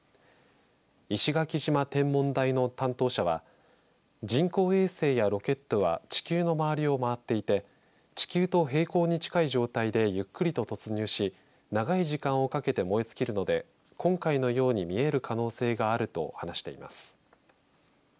石垣島天文台の担当者は人工衛星やロケットは地球の周りを回っていて地球と平行に近い状態でゆっくりと突入し長い時間をかけて燃え尽きるので今回のように見える可能性があると話しています。